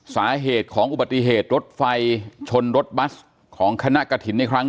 สาเหตุของอุบัติเหตุรถไฟชนรถบัสของคณะกระถินในครั้ง